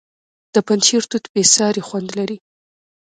د پنجشیر توت بې ساري خوند لري.